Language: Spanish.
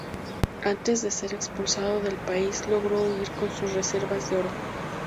Antes de ser expulsado del país, logró huir con sus reservas de oro.